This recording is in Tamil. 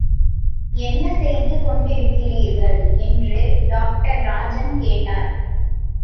என்ன செய்து கொண்டிருக்கிறீர்கள்? என்று டாக்டர் ராஜன் கேட்டார்.